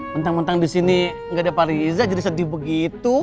mentang mentang disini gak ada pak riza jadi sedih begitu